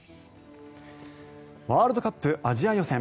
ワールドカップアジア予選